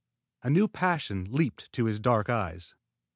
A new passion leaped to his dark eyes.